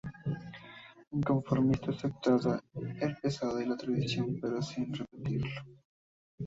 Inconformista, acepta el pasado y la tradición pero sin repetirlo.